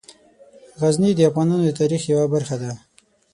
غزني د افغانانو د تاریخ یوه برخه ده.